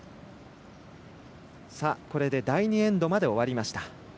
これで第２エンドまで終わりました。